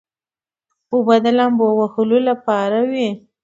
اوبه د لامبو وهلو لپاره وي.